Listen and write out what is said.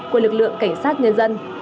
của lực lượng cảnh sát nhân dân